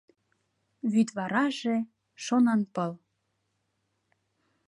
Вӱдвараже — шонанпыл.